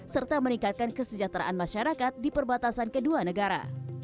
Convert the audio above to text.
serta meningkatkan kesejahteraan masyarakat di perbatasan kedua negara